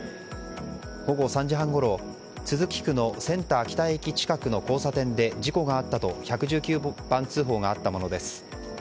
午後３時半ごろ都筑区のセンター北駅近くの交差点で事故があったと１１９番通報があったものです。